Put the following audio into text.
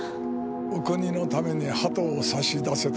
お国のために鳩を差し出せとね。